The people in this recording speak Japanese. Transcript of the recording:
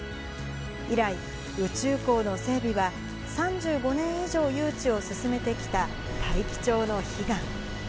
以来、宇宙港の整備は、３５年以上誘致を進めてきた大樹町の悲願。